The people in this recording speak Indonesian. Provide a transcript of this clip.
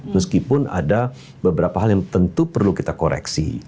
meskipun ada beberapa hal yang tentu perlu kita koreksi